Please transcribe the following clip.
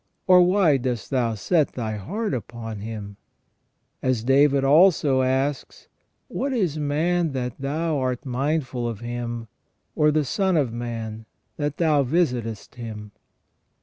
Or why dost Thou set Thy heart upon him ?" As David also asks :*' What is man, that Thou art mindful of him ? or the son of man, that Thou visitest him?"